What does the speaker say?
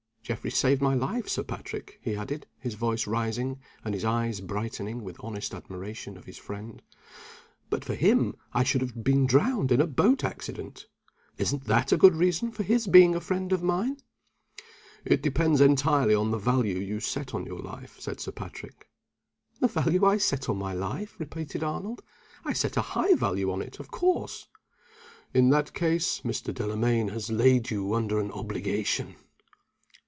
Geoffrey saved my life, Sir Patrick," he added, his voice rising, and his eyes brightening with honest admiration of his friend. "But for him, I should have been drowned in a boat accident. Isn't that a good reason for his being a friend of mine?" "It depends entirely on the value you set on your life," said Sir Patrick. "The value I set on my life?" repeated Arnold. "I set a high value on it, of course!" "In that case, Mr. Delamayn has laid you under an obligation."